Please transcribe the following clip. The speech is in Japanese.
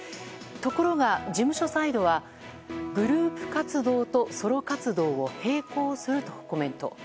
ところが、事務所サイドはグループ活動とソロ活動を並行するとコメント。